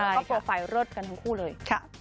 แล้วก็โปรไฟล์เยอะเยอะกันทั้งคู่เลย